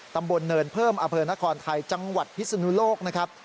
ตำบลเนินเพิ่มอเภอนครไทยจังหวัดภิษณุโลก